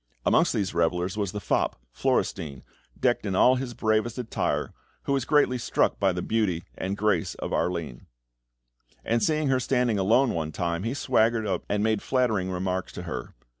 Amongst these revellers was the fop, Florestein, decked in all his bravest attire, who was greatly struck with the beauty and grace of Arline; and seeing her standing alone one time, he swaggered up and made flattering remarks to her.